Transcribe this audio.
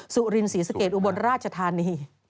สุรินศรีสะเกดอุบลราชธานี